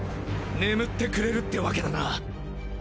眠ってくれるってわけだな！